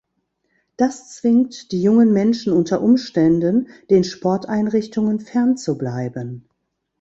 Das zwingt die jungen Menschen unter Umständen, den Sporteinrichtungen fernzubleiben.